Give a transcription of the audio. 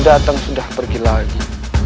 datang sudah pergi lagi